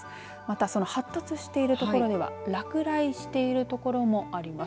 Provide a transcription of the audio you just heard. また、その発達している所では落雷している所もあります。